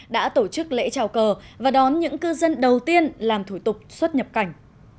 đã tổ chức lễ trào cờ và đón những cư dân đầu tiên làm thủ tục xuất nhập cảnh